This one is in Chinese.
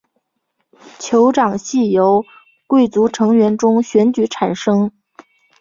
酋长系由贵族成员中选举产生。